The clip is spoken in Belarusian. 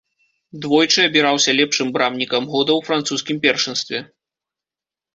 Двойчы абіраўся лепшым брамнікам года ў французскім першынстве.